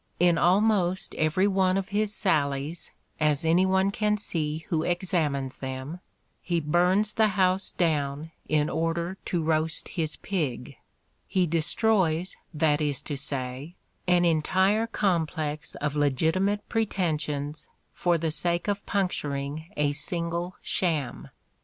In almost every one of his sallies, as any one can see who examines them, he burns the house down in order to roast his pig he destroys, that is to say, an entire complex of legi timate pretensions for the sake of puncturing a single sham.